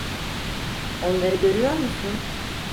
Onları görüyor musun?